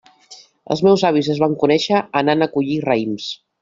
Els meus avis es van conèixer anant a collir raïms.